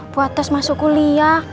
buat tes masuk kuliah